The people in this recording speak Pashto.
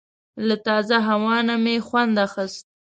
له تازه هوا نه مې خوند اخیست.